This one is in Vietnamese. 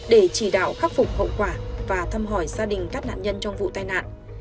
để chỉ đạo khắc phục hậu quả và thăm hỏi gia đình các nạn nhân trong vụ tai nạn